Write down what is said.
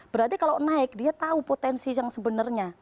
berarti kalau naik dia tahu potensi yang sebenarnya